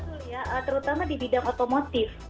betul ya terutama di bidang otomotif